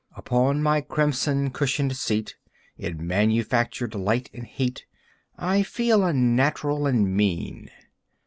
Upon my crimson cushioned seat, In manufactured light and heat, I feel unnatural and mean.